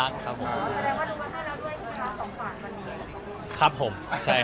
เห็นเขามาสะใสสด